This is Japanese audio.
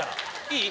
いい？